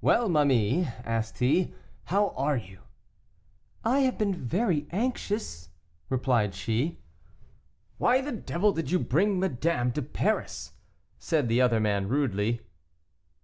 "Well, ma mie," asked he, "how are you?" "I have been very anxious," replied she. "Why the devil did you bring madame to Paris?" said the other man rudely.